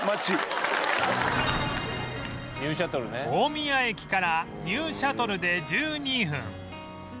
大宮駅からニューシャトルで１２分